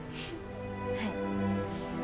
はい。